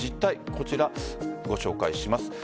こちら、ご紹介します。